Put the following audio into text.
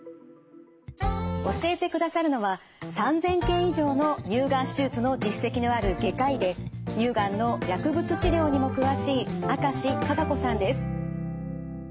教えてくださるのは３，０００件以上の乳がん手術の実績のある外科医で乳がんの薬物治療にも詳しい明石定子さんです。